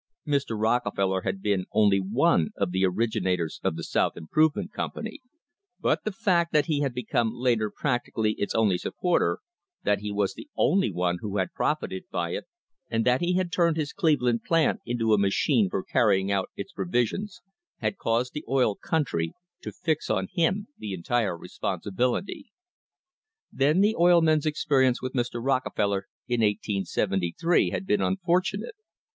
Mr. Rockefeller had been only one of the originators of the South Improvement Company, but the fact that he had become later practically its only supporter, that he was the only one who had profited by it, and that he had turned his Cleveland plant into a machine for carrying out its provisions, had caused the oil country to fix on him the entire responsibility. Then the oil men's experience with Mr. Rockefeller in 1873 na d been unfor tunate.